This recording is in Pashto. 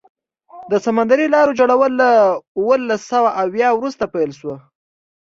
د سمندري لارو جوړول له اوولس سوه اویا وروسته پیل شو.